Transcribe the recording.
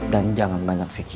dan jangan banyak pikiran